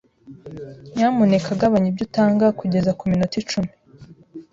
Nyamuneka gabanya ibyo utanga kugeza kuminota icumi.